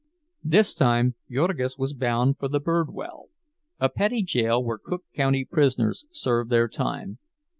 This time Jurgis was bound for the "Bridewell," a petty jail where Cook County prisoners serve their time.